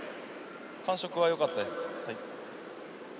感触は、よかったです。